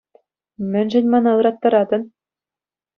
Мӗншӗн мана ыраттаратӑн?